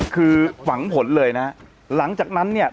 คือหวังผลเลยนะหลังจากนั้นเนี่ย